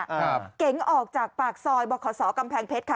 ครับเก๋งออกจากปากซอยบ่าขอสอกำแพงเพชรค่ะ